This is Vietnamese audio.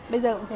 bây giờ cũng thế